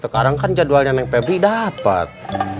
sekarang kan jadwalnya neng pebri dapet